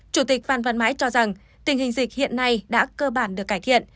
chủ tịch phan văn mãi cho rằng tình hình dịch hiện nay đã cơ bản được cải thiện